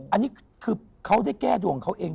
อันนี้คือเขาได้แก้ดวงเขาเอง